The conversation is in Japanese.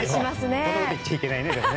こんなこと言っちゃいけないね。